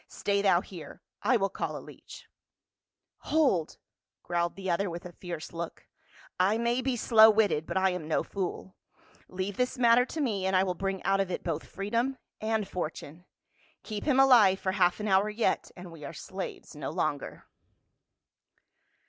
Stay thou here, I will call a leech." " Hold !" growled the other with a fierce look. " I THE MASTER OF THE WORLD. 109 may be slow witted, but I am no fool. Leave this matter to me and I will bring out of it both freedom and fortune. Keep him alive for half an hour yet, and we are slaves no longer."